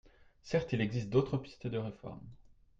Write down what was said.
Certes, il existe d’autres pistes de réforme.